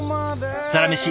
「サラメシ」